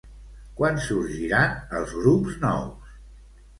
Quan sorgiran els grups nous?